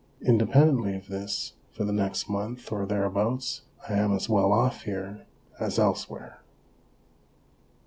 Independently of this, for the next month or thereabouts, I am as well off here as elsewhere.